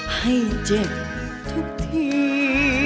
ให้เจ็บทุกที